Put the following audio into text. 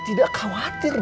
tidak khawatir kum